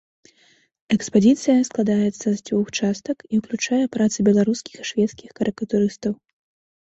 Экспазіцыя складаецца з дзвюх частак і ўключае працы беларускіх і шведскіх карыкатурыстаў.